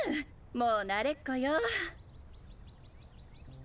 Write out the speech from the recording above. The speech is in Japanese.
もう慣れっこよ。